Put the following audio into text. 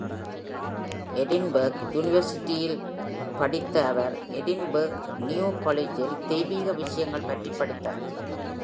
Edinburgh University-இல் படித்த அவர் Edinburgh, New College-இல் ‘தெய்வீக விஷயங்கள்’ பற்றிப் படித்தார்.